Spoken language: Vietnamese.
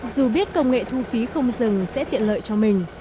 dù biết công nghệ thu phí không dừng sẽ tiện lợi cho mình